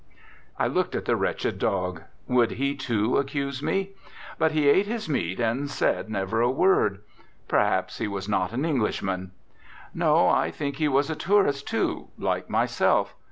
I looked at the wretched dog. Would he too accuse me? But he ate his meat and said never a word. Perhaps he was not an Englishman. No, I think he was a tourist, too, like myself.